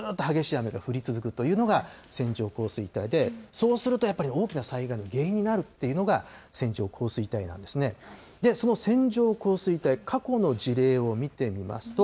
連なってるということで、同じ場所でずっと激しい雨が降り続くというのが、線状降水帯で、そうするとやっぱり、大きな災害の原因になるっていうのが、線状降水帯なんですね。